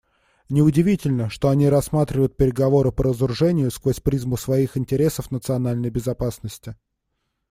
Неудивительно, что они рассматривают переговоры по разоружению сквозь призму своих интересов национальной безопасности.